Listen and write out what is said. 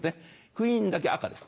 クイーンだけ赤です